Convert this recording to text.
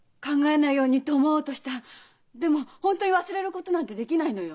でも本当に忘れることなんてできないのよ。